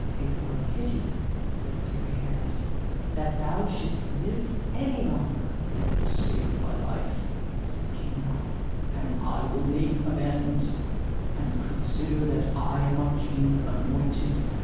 it were pity, said Sir Gaheris, that thou shouldst live any longer. Save my life, said King Mark, and I will make amends; and consider that I am a king anointed.